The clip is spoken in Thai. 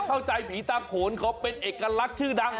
เข้าใจพีทาโขลเขาเป็นเอกลักษณ์ชื่อดัง